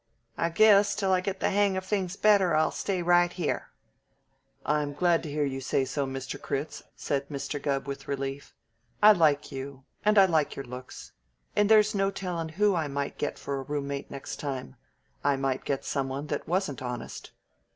I guess, till I get the hang of things better, I'll stay right here." "I'm glad to hear you say so, Mr. Critz," said Mr. Gubb with relief. "I like you, and I like your looks, and there's no tellin' who I might get for a roommate next time. I might get some one that wasn't honest."